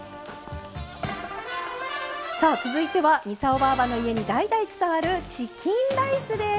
さあ続いては操ばぁばの家に代々伝わるチキンライスです。